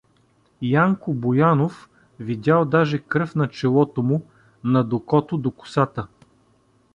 Янко Боянов видял даже кръв на челото му, над окото до косата.